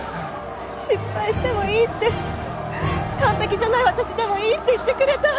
失敗してもいいって完璧じゃない私でもいいって言ってくれた。